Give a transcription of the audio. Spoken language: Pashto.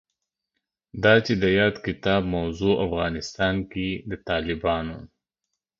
دا چې د یاد کتاب موضوع افغانستان کې د طالبانو